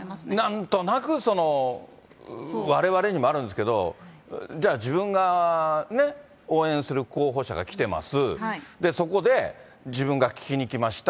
なんとなく、われわれにもあるんですけれども、じゃあ、自分が応援する候補者が来てます、そこで、自分が聞きに行きました。